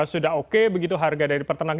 sudah oke begitu harga dari pertengahan